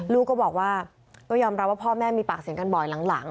ลูกก็ยอมรัวว่าพ่อแม่มีปากเสียงกันบ่อยหลัง